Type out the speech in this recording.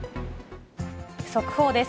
速報です。